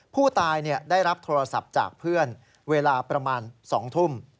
ผู้ตายได้รับโทรศัพท์จากเพื่อนเวลาประมาณ๒ทุ่ม